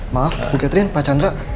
maaf bu catherine pak chandra